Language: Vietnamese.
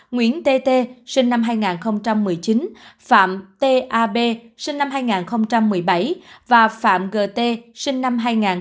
nguyễn t t sinh năm hai nghìn một mươi chín phạm t a b sinh năm hai nghìn một mươi bảy và phạm g t sinh năm hai nghìn một mươi chín